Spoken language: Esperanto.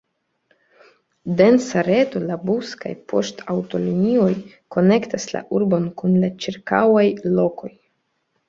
Densa reto da bus- kaj poŝtaŭtolinioj konektas la urbon kun la ĉirkaŭaj lokoj.